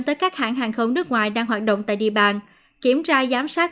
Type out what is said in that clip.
tới các hãng hàng không nước ngoài đang hoạt động tại địa bàn kiểm tra giám sát